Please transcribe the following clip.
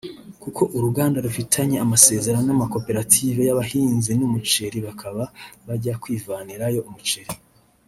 kuko uruganda rufitanye amasezerano n’amakoperative y’abahinzi b’umuceri bakaba bajya kwivanirayo umuceri